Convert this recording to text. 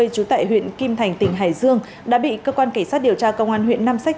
chú tại huyện kim thành tỉnh hải dương đã bị cơ quan cảnh sát điều tra công an huyện nam sách